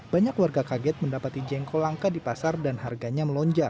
banyak warga kaget mendapati jengkol langka di pasar dan harganya melonjak